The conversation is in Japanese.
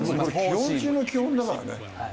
基本中の基本だからね。